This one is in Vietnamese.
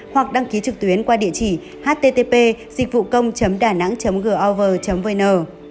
hoặc đăng ký trực tuyến qua địa chỉ http dịchvucông danang gov vn